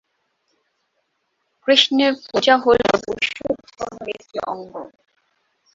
কৃষ্ণের পূজা হল বৈষ্ণব ধর্মের একটি অঙ্গ।